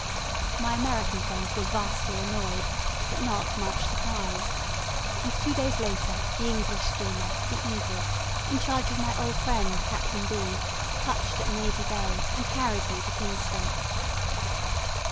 My American friends were vastly annoyed, but not much surprised; and two days later, the English steamer, the "Eagle," in charge of my old friend, Captain B , touched at Navy Bay, and carried me to Kingston.